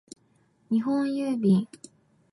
日本郵便